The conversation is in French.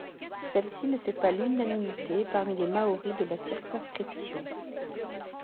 Celle-ci ne fait pas l'unanimité parmi les Maori de la circonscription.